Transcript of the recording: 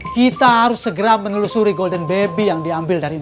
kita harus segera menelusuri golden baby yang diambil dari indonesia